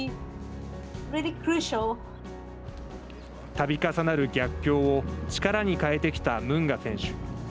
たび重なる逆境を力に変えてきたムンガ選手。